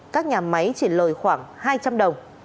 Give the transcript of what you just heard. các nhà máy chỉ lợi khoảng hai trăm linh đồng